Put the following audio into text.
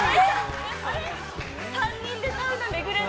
◆３人でサウナめぐれる。